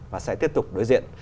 và sẽ tiếp tục đối diện